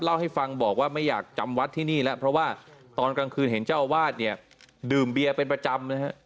เล่าให้ฟังบอกว่าไม่อยากจำวัดที่นี่แล้วเพราะว่าตอนกลางคืนเห็นเจ้าอาวาสเนี่ยดื่มเบียร์เป็นประจำนะฮะ